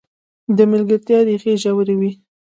د ملګرتیا ریښې ژورې وي.